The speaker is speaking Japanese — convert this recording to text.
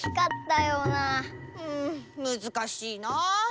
うんむずかしいな。